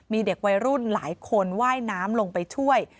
มีเด็กวัยรุ่นหลายคนว่ายน้ำลงไปช่วย